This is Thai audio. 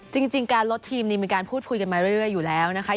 จริงการลดทีมมีการพูดคุยกันมาเรื่อยอยู่แล้วนะคะ